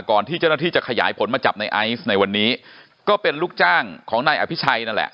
ที่เจ้าหน้าที่จะขยายผลมาจับในไอซ์ในวันนี้ก็เป็นลูกจ้างของนายอภิชัยนั่นแหละ